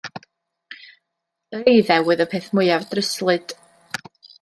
Yr eiddew oedd y peth mwyaf dryslyd.